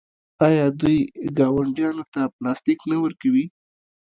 آیا دوی ګاونډیانو ته پلاستیک نه ورکوي؟